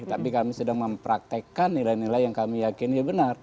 tapi kami sedang mempraktekkan nilai nilai yang kami yakin ya benar